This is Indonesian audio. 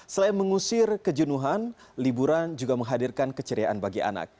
selain mengusir kejenuhan liburan juga menghadirkan keceriaan bagi anak